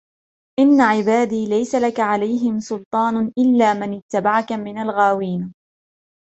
إِنَّ عِبَادِي لَيْسَ لَكَ عَلَيْهِمْ سُلْطَانٌ إِلَّا مَنِ اتَّبَعَكَ مِنَ الْغَاوِينَ